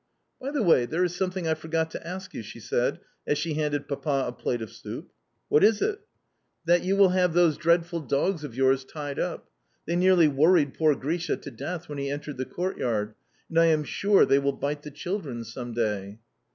"By the way, there is something I forgot to ask you," she said, as she handed Papa a plate of soup. "What is it?" "That you will have those dreadful dogs of yours tied up. They nearly worried poor Grisha to death when he entered the courtyard, and I am sure they will bite the children some day."